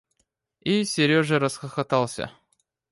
И Сережа расхохотался.